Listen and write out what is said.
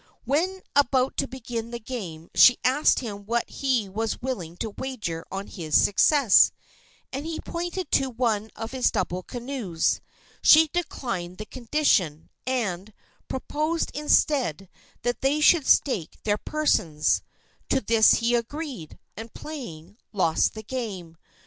When about to begin the game she asked him what he was willing to wager on his success, and he pointed to one of his double canoes. She declined the condition, and proposed, instead, that they should stake their persons. To this he agreed, and, playing, lost the game.